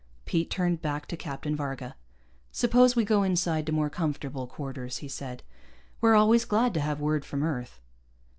Pete turned back to Captain Varga. "Suppose we go inside to more comfortable quarters," he said. "We're always glad to have word from Earth."